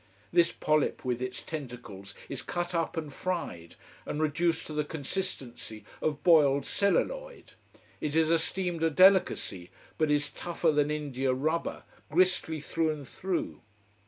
This polyp with its tentacles is cut up and fried, and reduced to the consistency of boiled celluloid. It is esteemed a delicacy: but is tougher than indiarubber, gristly through and through.